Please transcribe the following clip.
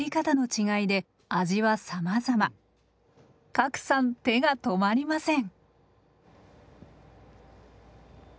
加来さん手が止まりません。